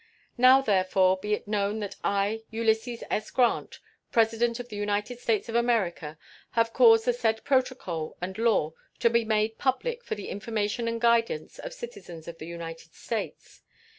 Now, therefore, be it known that I, Ulysses S. Grant, President of the United States of America, have caused the said protocol and law to be made public for the information and guidance of citizens of the United States.